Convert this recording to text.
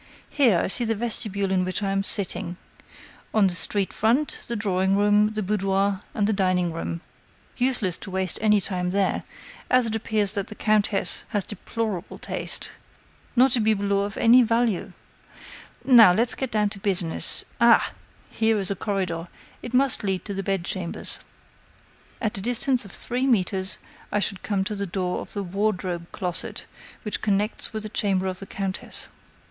Here, I see the vestibule in which I am sitting. On the street front, the drawing room, the boudoir and dining room. Useless to waste any time there, as it appears that the countess has a deplorable taste.... not a bibelot of any value!...Now, let's get down to business!... Ah! here is a corridor; it must lead to the bed chambers. At a distance of three metres, I should come to the door of the wardrobe closet which connects with the chamber of the countess."